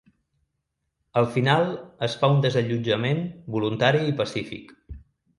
Al final es fa un desallotjament voluntari i pacífic.